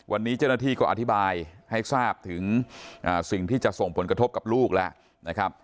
วันนี้เจ้าหน้าที่ก็อธิบายให้ทราบถึงสิ่งที่จะส่งผลกระทบกับลูกแล้วนะครับ